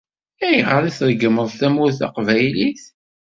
Ayɣer i tregmeḍ tamurt taqbaylit?